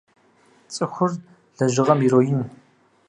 Цӏыхур лэжьыгъэм ироин.